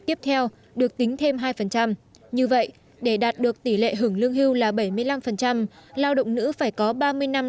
tiếp theo được tính thêm hai như vậy để đạt được tỷ lệ hưởng lương hưu là bảy mươi năm lao động nữ phải có ba mươi năm